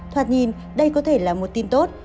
thoạt nhìn đây có thể là một tin tốt